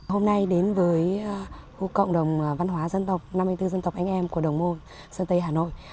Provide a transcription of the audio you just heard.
hôm nay đến với khu cộng đồng văn hóa dân tộc năm mươi bốn dân tộc anh em của đồng môn sân tây hà nội